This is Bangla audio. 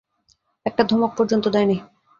একটা ধমক পর্যন্ত দেয় নি।